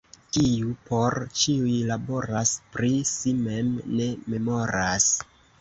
Kiu por ĉiuj laboras, pri si mem ne memoras.